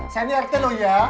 saya lihat dulu ya